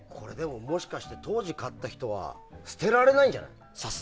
もしかして当時買った人は捨てられないんじゃない。